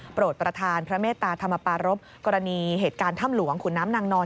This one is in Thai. โปรดประธานพระเมตตาธรรมปารพกรณีเหตุการณ์ถ้ำหลวงขุนน้ำนางนอน